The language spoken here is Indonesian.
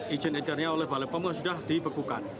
ijin edarnya oleh balai pemula sudah dibekukan